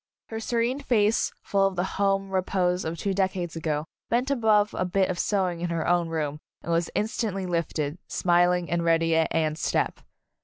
Her serene face, full of the home repose of two decades ago, bent above a bit of sewing in her own room and was instantly lifted, smiling and ready at Anne's step.